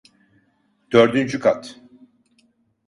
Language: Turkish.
Dördüncü kat.